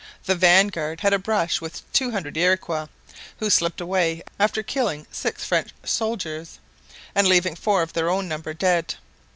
The vanguard had a brush with two hundred Iroquois, who slipped away after killing six French soldiers and leaving four of their own number dead.